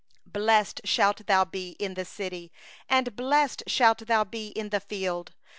3Blessed shalt thou be in the city, and blessed shalt thou be in the field.